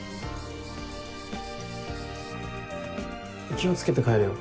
気を付けて帰れよ。